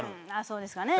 そうですかね